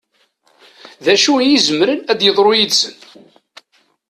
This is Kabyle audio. D acu i izemren ad d-yeḍru yid-sen?